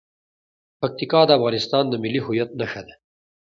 پکتیکا د افغانستان د ملي هویت نښه ده.